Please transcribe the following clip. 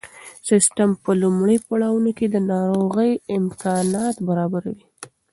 سیسټم په لومړیو پړاوونو کې د ناروغۍ امکانات برابروي.